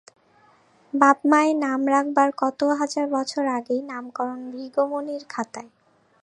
বাপ মায়ে নাম রাখবার কত হাজার বছর আগেই নামকরণ ভৃগুমুনির খাতায়!